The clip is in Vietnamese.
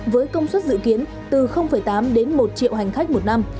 với công suất dự kiến từ tám đến một triệu hành khách một năm